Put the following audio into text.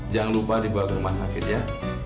jangan lupa dibawa ke rumah sakit ya